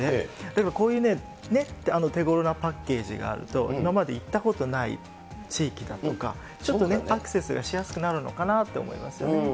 だからこういうね、手ごろなパッケージがあると、今まで行ったことない地域だとか、ちょっとね、アクセスがしやすくなるのかなと思いますよね。